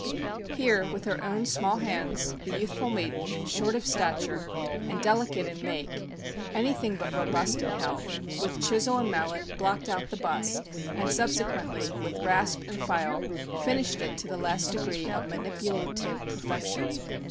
Here, with her own small hands, the youthful maiden, short of stature, and delicate in make, anything but robust in health, with chisel and mal let blocked out the bust, and subsequently, with rasp and file, finished it to the last degree of manipulative perfection.